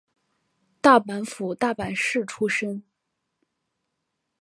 大阪府大阪市出身。